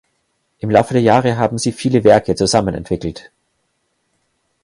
Im Laufe der Jahre haben sie viele Werke zusammen entwickelt.